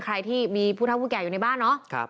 ใครที่มีผู้เท่าผู้แก่อยู่ในบ้านเนาะ